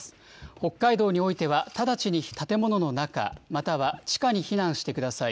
北海道においては直ちに建物の中、または地下に避難してください。